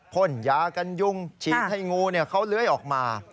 ผ้นยากันยุ่งฉีกให้งูเนี่ยเขาเลือยออกมา